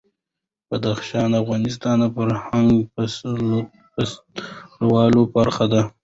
بدخشان د افغانستان د فرهنګي فستیوالونو برخه ده.